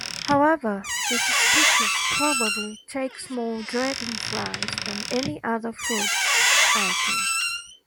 However, this species probably takes more dragonflies than any other food item.